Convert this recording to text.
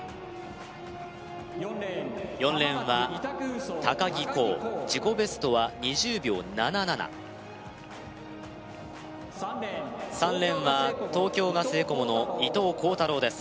４レーンは木恒自己ベストは２０秒７７３レーンは東京ガスエコモの伊藤孝太郎です